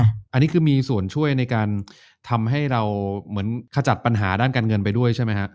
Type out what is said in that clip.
อันนี้คือมีส่วนช่วยในการทำให้เราเหมือนขจัดปัญหาด้านการเงินไปด้วยใช่ไหมฮะ